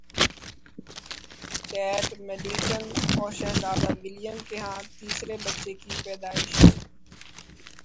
Kate Middleton اور شہزادہ William کے ہاں تیسرے بچے کی پیدائش